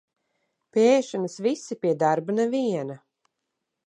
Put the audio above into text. Pie ēšanas visi, pie darba neviena.